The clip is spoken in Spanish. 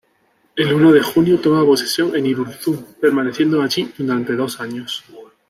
El uno de junio toma posesión en Irurzun, permaneciendo allí durante dos años.